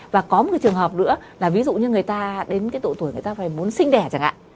và có một trường hợp nữa là ví dụ như người ta đến cái độ tuổi người ta phải muốn sinh đẻ chẳng hạn